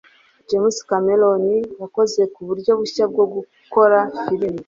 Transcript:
James Cameron yakoze uburyo bushya bwo gukora firime.